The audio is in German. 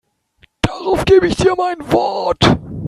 Darauf gebe ich dir mein Wort.